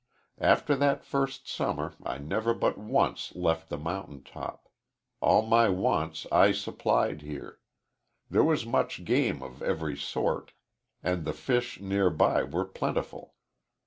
After that first summer I never but once left the mountain top. All my wants I supplied here. There was much game of every sort, and the fish near by were plentiful.